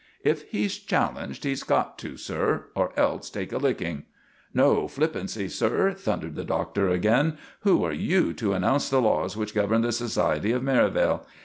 "If he's challenged he's got to, sir, or else take a licking." "No flippancy, sir!" thundered the Doctor again. "Who are you to announce the laws which govern the society of Merivale?